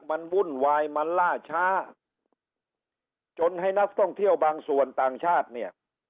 มันวุ่นวายมันล่าช้าจนให้นักท่องเที่ยวบางส่วนต่างชาติเนี่ย